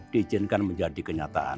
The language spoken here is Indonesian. diizinkan menjadi kenyataan